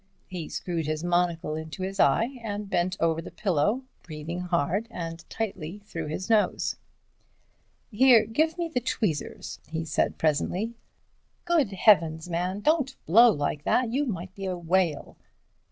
He screwed his monocle into his eye, and bent over the pillow, breathing hard and tightly through his nose. "Here, give me the tweezers," he said presently. "good heavens, man, don't blow like that, you might be a whale."